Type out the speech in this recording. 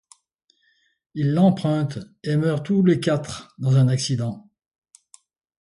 Ils l'empruntent et meurent tous les quatre dans un accident.